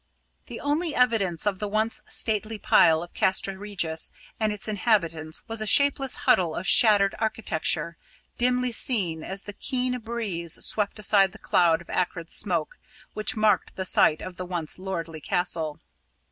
The only evidence of the once stately pile of Castra Regis and its inhabitants was a shapeless huddle of shattered architecture, dimly seen as the keen breeze swept aside the cloud of acrid smoke which marked the site of the once lordly castle.